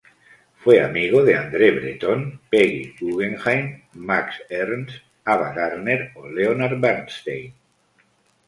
Fue Amigo de Andre Breton, Peggy Guggenheim, Max Ernst, Ava Gardner o Leonard Bernstein.